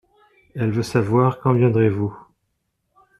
Elle veut savoir quand viendrez-vous.